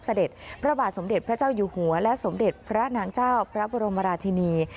เสด็จพระบาทสมเด็จพระเจ้าอยู่หัวและสมเด็จพระนางเจ้าพระบรมราชินี